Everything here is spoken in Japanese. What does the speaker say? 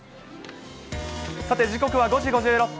さて時刻は５時５６分。